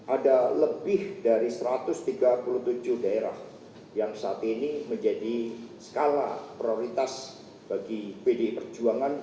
ada lebih dari satu ratus tiga puluh tujuh daerah yang saat ini menjadi skala prioritas bagi pdi perjuangan